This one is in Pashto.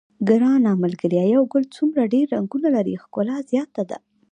ګرانه ملګریه یو ګل څومره ډېر رنګونه لري ښکلا زیاته ده.